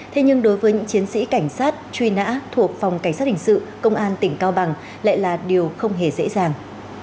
thế nhưng đối với những chiến sĩ cảnh sát truy nã thuộc phòng cảnh sát hình sự công an tỉnh cao bằng lại là điều không hề dễ dàng